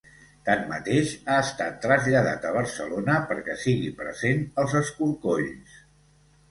Tanmateix, ha estat traslladat a Barcelona perquè sigui present als escorcolls.